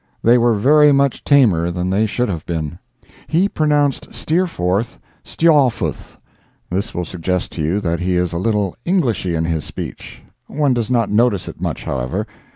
They were very much tamer than they should have been. He pronounced Steerforth "St'yaw futh." This will suggest to you that he is a little Englishy in his speech. One does not notice it much, however.